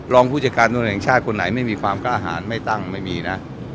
รองผู้จัดการตำรวจแห่งชาติคนไหนไม่มีความกล้าหารไม่ตั้งไม่มีนะ